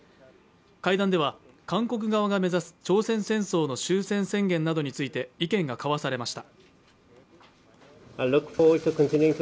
会談では、韓国側が目指す朝鮮戦争の終戦宣言などについて意見が交わされました。